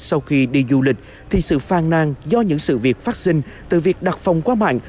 sau khi đi du lịch thì sự phan nang do những sự việc phát sinh từ việc đặt phòng quá mạnh